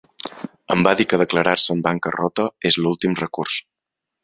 Em va dir que declarar-se en bancarrota és l'últim recurs.